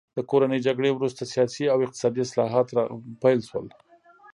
د کورنۍ جګړې وروسته سیاسي او اقتصادي اصلاحات پیل شول.